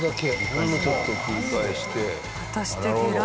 ほんのちょっと切り返して。